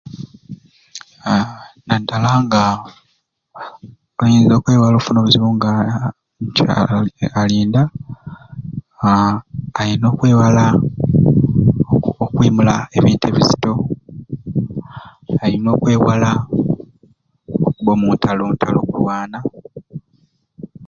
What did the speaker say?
Aa naddala nga oinza okwewala okufuna obuzibu nka omukyala nga alinda aa alina okwewala oku okwimula ebintu ebizito alina okwewala okubba omuntalootalo okulwana.